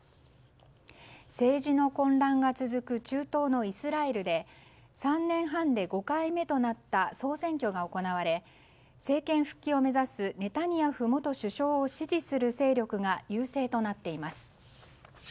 政治の混乱が続く中東のイスラエルで３年半で５回目となった総選挙が行われ政権復帰を目指すネタニヤフ元首相を支持する勢力が優勢となっています。